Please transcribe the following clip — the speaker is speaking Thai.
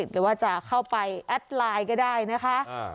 หรือว่าจะเข้าไปแอดไลน์ก็ได้นะคะ